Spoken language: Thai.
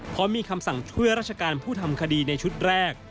เพราะมีคำสั่งช่วยราชการผู้ทำคดีในชุดแรก